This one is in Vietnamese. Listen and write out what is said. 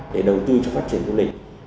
để đầu tư cho phát triển du lịch